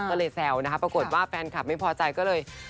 ก็เลยแซวนะคะปรากฏว่าแฟนคลับไม่พอใจก็เลย